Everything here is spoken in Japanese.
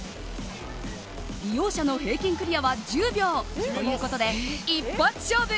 利用者の平均クリアは１０秒。ということで一発勝負。